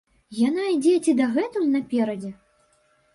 Яна ідзе ці дагэтуль наперадзе?